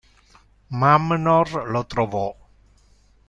Mamnor lo trovò.